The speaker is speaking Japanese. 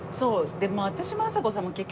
でも私もあさこさんも結局。